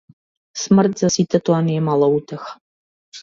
Смрт за сите тоа не е мала утеха.